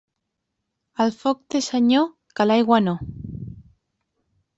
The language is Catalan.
El foc té senyor, que l'aigua no.